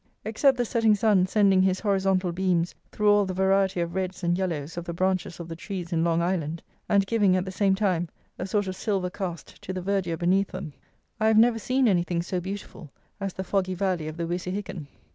Except the setting sun sending his horizontal beams through all the variety of reds and yellows of the branches of the trees in Long Island, and giving, at the same time, a sort of silver cast to the verdure beneath them, I have never seen anything so beautiful as the foggy valley of the Wysihicken.